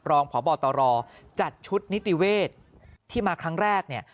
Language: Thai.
รองพบตรจัดชุดนิติเวศที่มาครั้งแรกเนี่ย